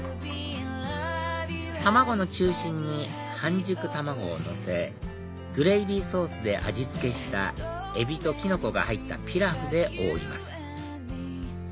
卵の中心に半熟卵をのせグレービーソースで味付けしたエビとキノコが入ったピラフで覆います